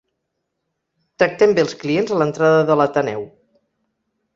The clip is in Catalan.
Tractem bé els clients a l'entrada de l'Ateneu.